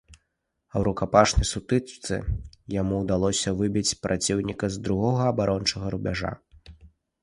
У рукапашнай сутычцы яму ўдалося выбіць праціўніка з другога абарончага рубяжа.